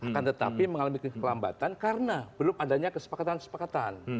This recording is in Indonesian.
akan tetapi mengalami kekelambatan karena belum adanya kesepakatan kesepakatan